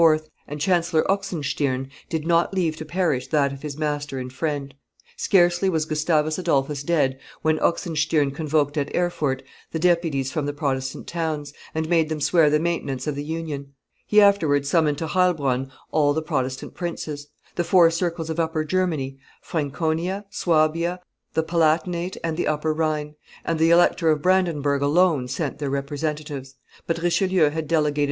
and Chancellor Oxenstiern did not leave to perish that of his master and friend. Scarcely was Gustavus Adolphus dead when Oxenstiern convoked at Erfurt the deputies from the Protestant towns, and made them swear the maintenance of the union. He afterwards summoned to Heilbronn all the Protestant princes; the four circles of Upper Germany (Franconia, Suabia, the Palatinate, and the Upper Rhine), and the elector of Brandenburg alone sent their representatives; but Richelieu had delegated M.